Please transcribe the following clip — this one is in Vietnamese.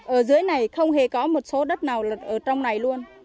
ở dưới này không hề có một số đất nào ở trong này luôn